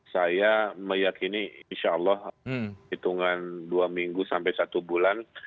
saya meyakini insya allah hitungan dua minggu sampai satu bulan kita harusnya melihat ada trend turun amin